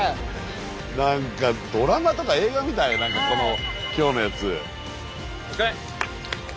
何かドラマとか映画みたい何かこの今日のやつ。